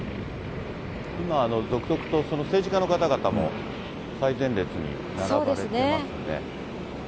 今続々と、政治家の方々も最前列に並ばれていますね。